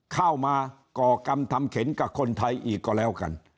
เข้ามาก่อกรรมทำเข็นกับคนไทยอีกก็แล้วกัน